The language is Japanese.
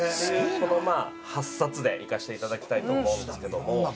この８冊でいかせていただきたいと思うんですけども。